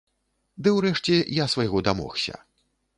Ды ўрэшце я свайго дамогся.